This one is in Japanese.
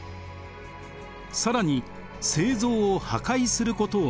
更に聖像を破壊することを命令。